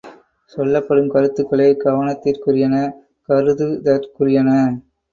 சொல்லப்படும் கருத்துக்களே கவனத்திற்குரியன, கருதுதற்குரியன.